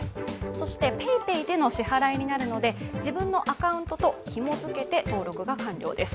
そしてＰａｙＰａｙでの支払いになるので、自分のアカウントとひも付けて登録が完了です。